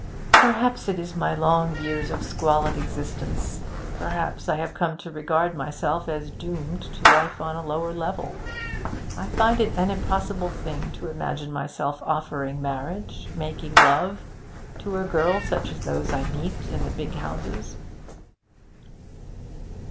Perhaps it is my long years of squalid existence. Perhaps I have come to regard myself as doomed to life on a lower level. I find it an impossible thing to imagine myself offering marriage making love to a girl such as those I meet in the big houses.'